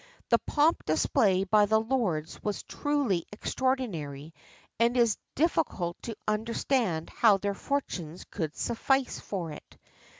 The pomp displayed by the lords was truly extraordinary, and it is difficult to understand how their fortunes could suffice for it.